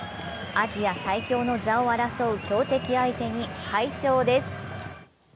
アジア最強の座を争う強敵相手に快勝です。